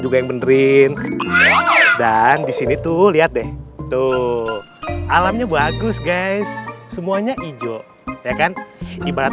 juga yang benerin dan disini tuh lihat deh tuh alamnya bagus guys semuanya hijau ya kan ibarat